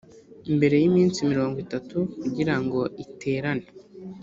mbere y iminsi mirongo itatu kugira ngo iterane